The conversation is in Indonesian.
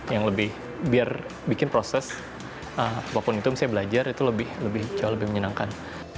yang lebih biar bikin proses apapun itu misalnya belajar itu lebih jauh lebih menyenangkan